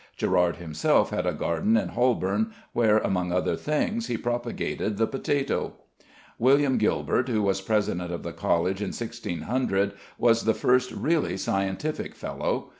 Gerard himself had a garden in Holborn, where among other things he propagated the potato. =William Gilbert=, who was president of the College in 1600, was the first really scientific Fellow.